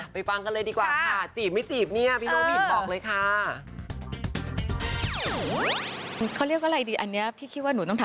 ฟังกันเลยดีกว่าค่ะ